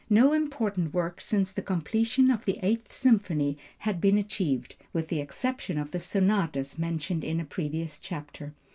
No important work since the completion of the Eighth Symphony had been achieved, with the exception of the sonatas mentioned in a previous chapter.